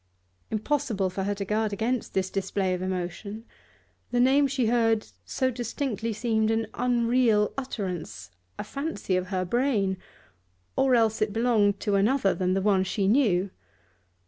Impossible for her to guard against this display of emotion; the name she heard so distinctly seemed an unreal utterance, a fancy of her brain, or else it belonged to another than the one she knew.